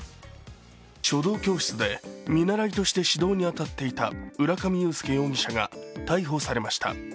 書道教室で見習いとして教室に通っていた浦上裕介容疑者が逮捕されました。